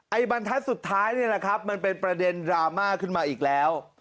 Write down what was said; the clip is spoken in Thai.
ไอบรรทัศน์สุดท้ายมันเป็นประเด็นดราม่าขึ้นมาอีกแล้ว